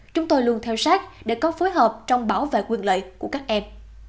chúng tôi luôn theo sát để có phối hợp trong bảo vệ quyền lợi của các em